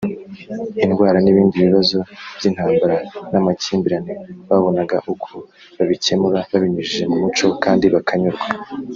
indwara n’ibindi bibazo by’intambara n’amakimbirane babonaga uko babicyemura babinyujije mu muco kandi bakanyurwa